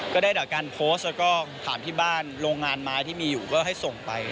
ก็ได้การเพิร์สวันที่บ้านโรงงานมาที่มีอยู่ก็ให้ส่งไป